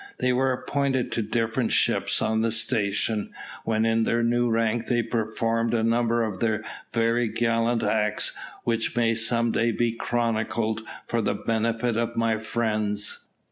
They were appointed to different ships on the station; when in their new rank they performed a number of very gallant acts, which may some day be chronicled for the benefit of my friends.